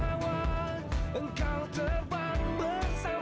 aku tak akan jauh tak akan tinggalkan